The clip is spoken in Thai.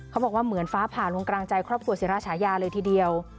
บอกว่าเหมือนฟ้าผ่าลงกลางใจครอบครัวศิราชายาเลยทีเดียว